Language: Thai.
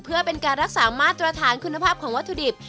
เพื่อเป็นการรักษามาตรฐานคุณภาพของวัตถุดิบ